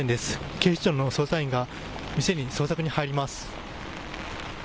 警視庁の捜査員が店に捜索に入ります。